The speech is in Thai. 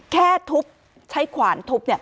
แค่ทุบใช้ขวานทุบ